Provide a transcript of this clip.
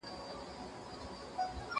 زه اوږده وخت موبایل کاروم؟